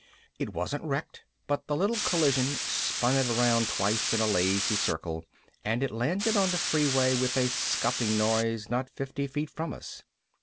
It wasn't wrecked but the little collision spun it around twice in a lazy circle and it landed on the freeway with a scuffing noise not fifty feet from us.